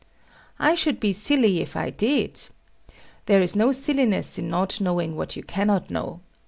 I should be silly if I did. There is no silliness in not knowing what you cannot know.